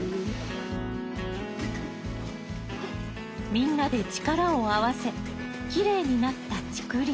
みんなで力を合わせきれいになった竹林。